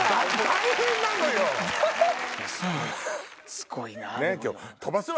すごいな。